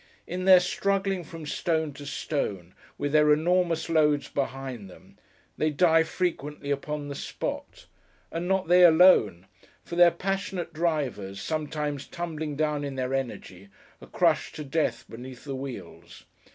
In their struggling from stone to stone, with their enormous loads behind them, they die frequently upon the spot; and not they alone; for their passionate drivers, sometimes tumbling down in their energy, are crushed to death beneath the wheels.